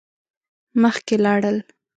مخکی لاړل.